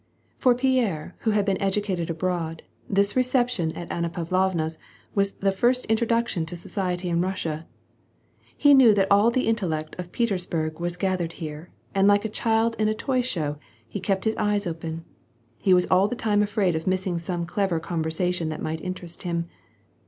For Pierre, who had been educated abroad, this reception at Anna Pavlovna's was the first introduction to society in Eus sia. He knew that all the intellect of Petersburg was gath ered here, and like a child in a toy show, he kept his eyes open. He was all the time afraid of missing some clever con versation that might interest him.